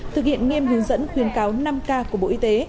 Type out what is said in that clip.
thực hiện nghiêm hướng dẫn khuyến cáo năm k của bộ y tế